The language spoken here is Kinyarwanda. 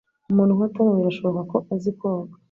Umuntu nka Tom birashoboka ko azi koga.